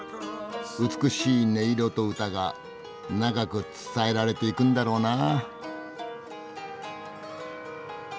美しい音色と歌が長く伝えられていくんだろうなぁ。